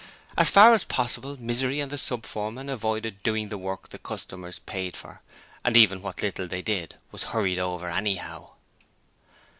As far as possible, Misery and the sub foreman avoided doing the work the customers paid for, and even what little they did was hurried over anyhow.